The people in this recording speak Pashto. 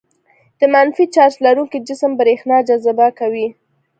د منفي چارج لرونکي جسم برېښنا جذبه کوي.